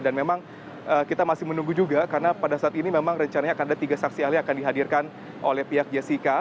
dan memang kita masih menunggu juga karena pada saat ini memang rencananya akan ada tiga saksi ahli yang akan dihadirkan oleh pihak jessica